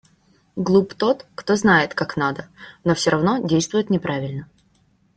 Глуп тот, кто знает, как надо, но всё равно действует неправильно.